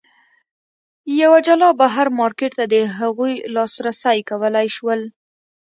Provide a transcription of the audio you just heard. یوه جلا بهر مارکېټ ته د هغوی لاسرسی کولای شول.